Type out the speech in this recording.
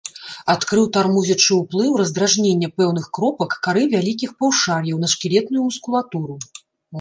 Адкрыў тармозячы ўплыў раздражнення пэўных кропак кары вялікіх паўшар'яў на шкілетную мускулатуру.